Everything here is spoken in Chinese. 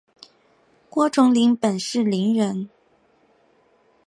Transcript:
郭从谦本是伶人。